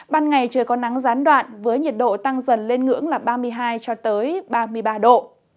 ban ngày trời có nắng gián đoạn với nhiệt độ tăng dần lên ngưỡng là ba mươi hai ba mươi ba độ